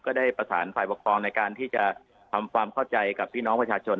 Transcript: ได้ประสานฝ่ายปกครองในการที่จะทำความเข้าใจกับพี่น้องประชาชน